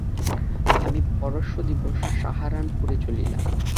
আমি পরশ্ব দিবস সাহারানপুরে চলিলাম।